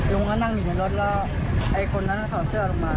ลุงคะวดนั่งอยู่ในรถแล้วคนนั้นถอดเสื้อหลังมา